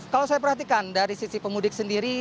kalau saya perhatikan dari sisi pemudik sendiri